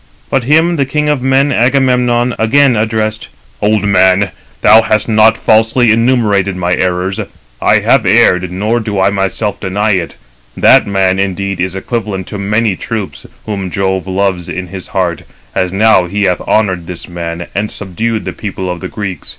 But him the king of men, Agamemnon, again addressed: "Old man, thou hast not falsely enumerated my errors. I have erred, nor do I myself deny it. That man indeed is equivalent to many troops, whom Jove loves in his heart, as now he hath honoured this man, and subdued the people of the Greeks.